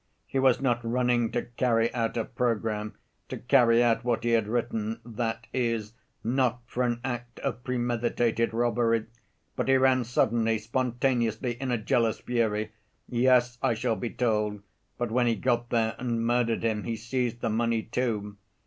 He was not running to carry out a program, to carry out what he had written, that is, not for an act of premeditated robbery, but he ran suddenly, spontaneously, in a jealous fury. Yes! I shall be told, but when he got there and murdered him he seized the money, too.